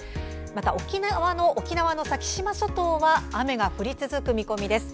また、沖縄の先島諸島は雨が降り続く見込みです。